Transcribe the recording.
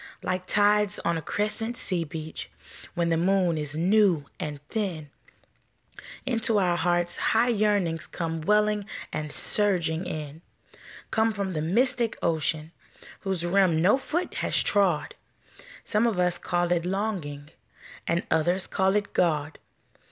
Like tides on a crescent sea beach, When the moon is new and thin, Into our hearts high yearnings Come welling and surging in Come from the mystic ocean, Whose rim no foot has trod, Some of us call it Longing, And others call it God.